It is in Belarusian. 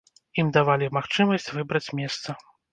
Ім давалі магчымасць выбраць месца.